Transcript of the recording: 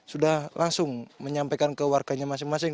sudah langsung menyampaikan ke warganya masing masing